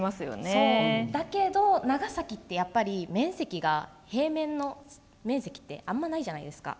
そうだけど、長崎って平面の面積ってあまりないじゃないですか。